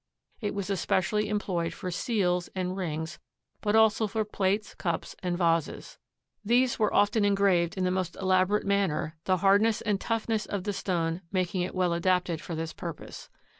It was especially employed for seals and rings, but also for plates, cups and vases. These were often engraved in the most elaborate manner, the hardness and toughness of the stone making it well adapted for this purpose.